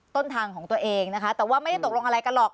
ต้นทางของตัวเองนะคะแต่ว่าไม่ได้ตกลงอะไรกันหรอก